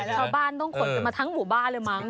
ชาวบ้านต้องขนกันมาทั้งหมู่บ้านเลยมั้ง